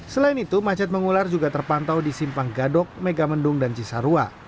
selain itu macet mengular juga terpantau di simpang gadok megamendung dan cisarua